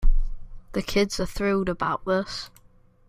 The kids are thrilled about this.